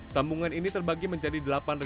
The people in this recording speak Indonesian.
sambungan ini terbagi menjadi delapan empat ratus